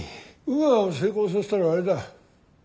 ウーアを成功させたらあれだ。